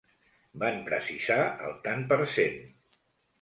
Van precisar el tant per cent.